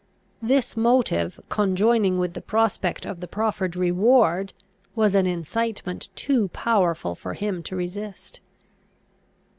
This motive, conjoining with the prospect of the proffered reward, was an incitement too powerful for him to resist.